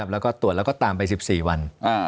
แล้วก็ตรวจแล้วก็ตามไป๑๔วัน